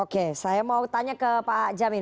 oke saya mau tanya ke pak jamin